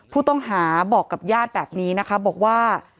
ผู้ต้องหาบอกกับญาติแบบนี้นะคะบอกว่า